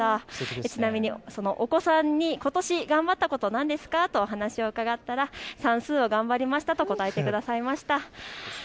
ちなみに、お子さんにことし頑張ったこと何ですかとお話を伺ったら算数を頑張りましたと答えてくださいました。